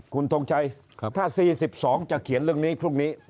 คุณทงชัยถ้า๔๒จะเขียนเรื่องนี้พรุ่งนี้